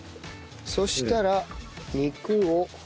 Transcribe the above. そしたら肉を。